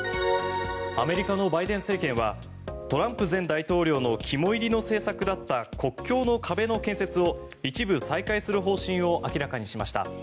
アメリカのバイデン政権はトランプ前大統領の肝煎りの政策だった国境の壁の建設を一部、再開する方針を明らかにしました。